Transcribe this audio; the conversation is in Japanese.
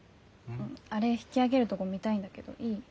あれ引き揚げるとご見たいんだけどいい？